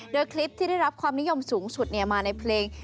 โดยคลิปที่ได้รับความนิยมสูงสุดมาในเพลง